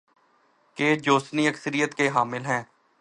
گے جو سنی اکثریت کے حامل ہیں؟